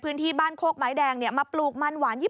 เพราะว่าพ่อค้านี่คุณผู้ชม